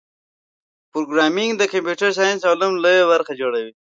پروګرامېنګ د کمپیوټر ساینس علم لویه برخه جوړوي.